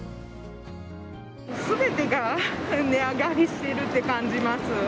すべてが値上がりしてるって感じます。